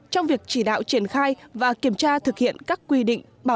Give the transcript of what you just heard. trong việc chỉ đạo triển khai và kiểm tra thực hiện các quy định